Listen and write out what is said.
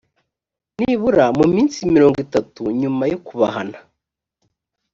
nibura mu minsi mirongo itatu nyuma yo kubahana